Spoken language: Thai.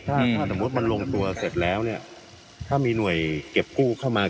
ถ้าสมมุติมันลงตัวเสร็จแล้วเนี่ยถ้ามีหน่วยเก็บกู้เข้ามา